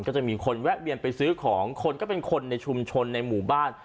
ก็จะมีคนแวะเวียนไปซื้อของคนก็เป็นคนในชุมชนในหมู่บ้าน